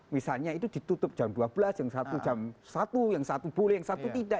misalnya itu ditutup jam dua belas yang satu jam satu yang satu boleh yang satu tidak